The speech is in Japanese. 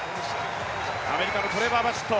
アメリカのトレバー・バシット。